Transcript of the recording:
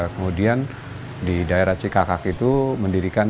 kemudian di daerah cikakak itu mendirikan